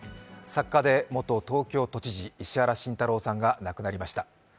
作家で元東京都知事、石原慎太郎さんが亡くなりました。